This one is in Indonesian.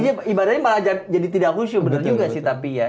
begah ibadahnya malah jadi tidak khusyuk bener juga sih tapi ya